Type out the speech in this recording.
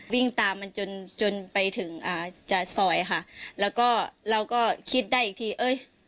วิ่งตามมันจนจนไปถึงอ่าจะซอยค่ะแล้วก็เราก็คิดได้อีกทีเอ้ย